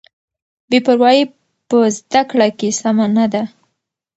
بې پروایي په زده کړه کې سمه نه ده.